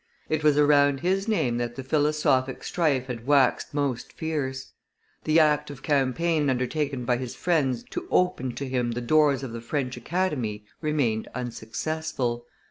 It was around his name that the philosophic strife had waxed most fierce: the active campaign undertaken by his friends to open to him the doors of the French Academy remained unsuccessful.